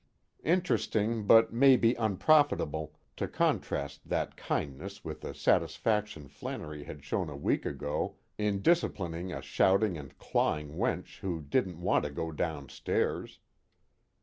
Interesting but maybe unprofitable, to contrast that kindness with the satisfaction Flannery had shown a week ago in disciplining a shouting and clawing wench who didn't want to go downstairs.